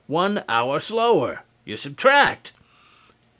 One hour slower. You subtract."